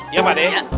iya pak d